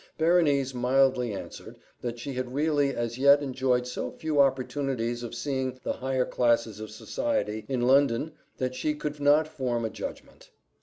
Berenice mildly answered, that she had really as yet enjoyed so few opportunities of seeing the higher classes of society in London that she could not form a judgment.